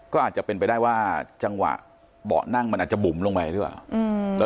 ก็อาจจะเป็นไปได้ว่าจังหวะเบาะนั่งมันอาจจะบุ๋มลงไปหรือเปล่า